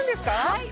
はい！